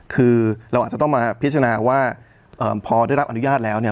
คือเราอาจจะต้องมาพิจารณาว่าพอได้รับอนุญาตแล้วเนี่ย